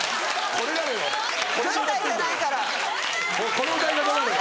この歌い方なのよ